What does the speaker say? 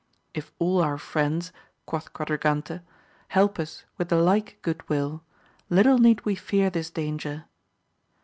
If all our friends, quoth Quadra gante, help us with the like good will, little need we fear this danger.